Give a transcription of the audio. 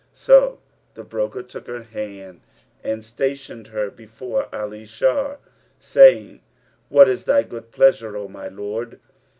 So the broker took her hand and stationed her before Ali Shar, saying, "What is thy good pleasure, O my lord?"